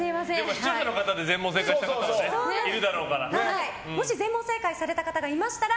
視聴者の方で全問正解した方はもし全問正解された方がいましたら